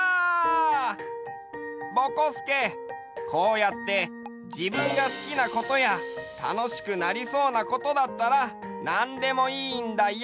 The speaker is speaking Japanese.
ぼこすけこうやってじぶんがすきなことやたのしくなりそうなことだったらなんでもいいんだよ！